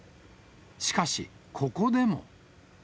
しかし、ここでも。